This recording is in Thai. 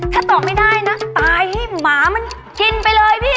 ถ้าตอบไม่ได้นะตายให้หมามันกินไปเลยพี่